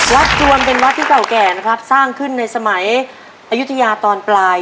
จวนเป็นวัดที่เก่าแก่นะครับสร้างขึ้นในสมัยอายุทยาตอนปลาย